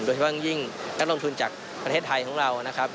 เฉพาะยิ่งนักลงทุนจากประเทศไทยของเรานะครับ